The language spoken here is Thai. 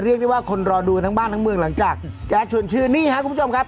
เรียกได้ว่าคนรอดูกันทั้งบ้านทั้งเมืองหลังจากแจ๊ดชวนชื่นนี่ครับคุณผู้ชมครับ